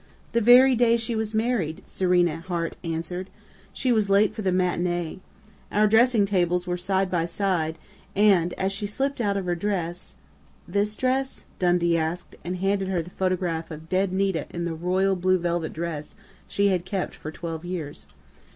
"The very day she was married," Serena Hart answered. "She was late for the matinee. Our dressing tables were side by side, and as she slipped out of her dress " "This dress?" Dundee asked, and handed her the photograph of dead Nita in the royal blue velvet dress she had kept for twelve years.